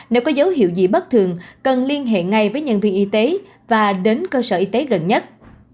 nếu có dấu hiệu gì bất thường cần liên hệ ngay với nhân viên y tế và đến cơ sở y tế gần nhất